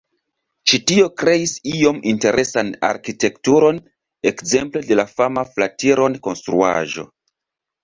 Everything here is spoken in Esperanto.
Ĉi tio kreis iom interesan arkitekturon, ekzemple de la fama Flatiron-Konstruaĵo.